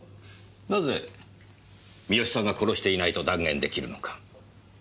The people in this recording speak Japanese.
なぜ三好さんが殺していないと断言できるのか。